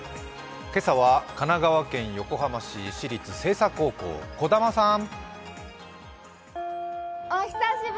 今朝は神奈川県横浜市、星槎高校、児玉さん。